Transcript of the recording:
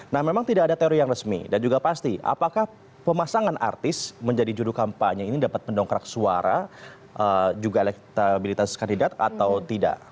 nah memang tidak ada teori yang resmi dan juga pasti apakah pemasangan artis menjadi judul kampanye ini dapat mendongkrak suara juga elektabilitas kandidat atau tidak